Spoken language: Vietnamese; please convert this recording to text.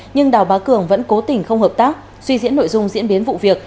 nhưng đào bá cường vẫn cố tình không hợp tác suy diễn nội dung diễn biến vụ việc